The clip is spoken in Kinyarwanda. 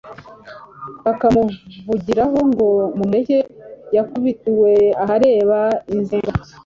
bakamuvugiraho ngo mumureke yakubitiwe ahareba i Nzega